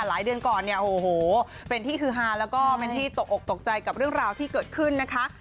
เดือนก่อนเนี่ยโอ้โหเป็นที่ฮือฮาแล้วก็เป็นที่ตกอกตกใจกับเรื่องราวที่เกิดขึ้นนะคะ